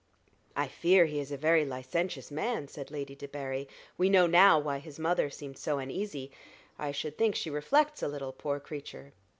"I fear he is a very licentious man," said Lady Debarry. "We know now why his mother seemed so uneasy. I should think she reflects a little, poor creature."